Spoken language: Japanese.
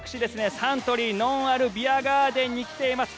サントリーのんあるビアガーデンに来ています。